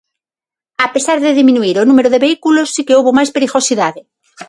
A pesar de diminuír o número de vehículos, si que houbo máis perigosidade.